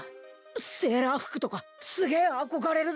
セーラー服とかすげえ憧れるぜ！